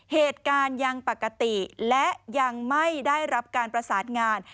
เหตุการณ์ยังปกติและยังไม่ได้รับการประสานงาน